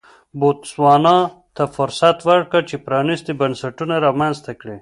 بوتسوانا ته فرصت ورکړ چې پرانیستي بنسټونه رامنځته کړي.